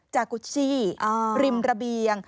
จากุชชี่ริมระเบียง